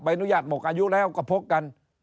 อนุญาตหมดอายุแล้วก็พกกัน